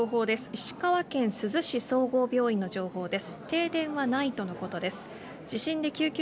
石川県珠洲市総合病院の情報です。